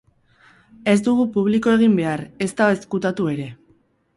Ez dugu publiko egin behar, ezta ezkutatu ere.